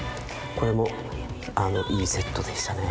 これもいいセットでしたね。